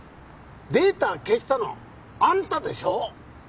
データ消したのあんたでしょ！